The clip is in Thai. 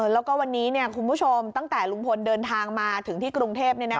แล้วก็วันนี้คุณผู้ชมตั้งแต่ลุงพลเดินทางมาถึงที่กรุงเทพ